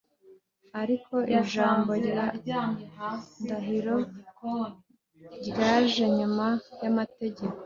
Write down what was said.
f ariko ijambo ry indahiro g ryaje nyuma y amategeko